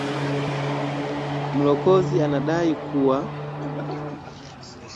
Mulokozi anadai kuwa